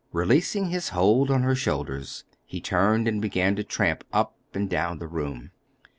Releasing his hold on her shoulders, he turned and began to tramp up and down the room.